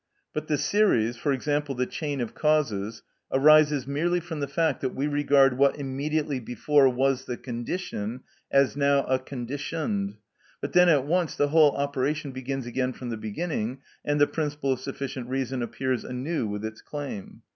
But the series, for example, the chain of causes, arises merely from the fact that we regard what immediately before was the condition as now a conditioned; but then at once the whole operation begins again from the beginning, and the principle of sufficient reason appears anew with its claim.